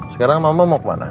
sekarang mama mau kemana